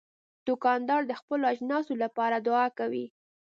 دوکاندار د خپلو اجناسو لپاره دعا کوي.